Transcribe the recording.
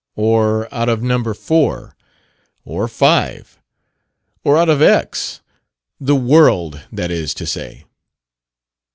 Or out of Number Four. Or Five. Or out of X, the world, that is to say."